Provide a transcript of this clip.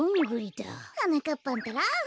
はなかっぱんったら。